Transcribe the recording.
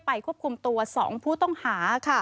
ควบคุมตัว๒ผู้ต้องหา